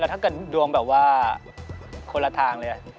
ถ้าเกิดดวงแบบว่าคนละทางเลย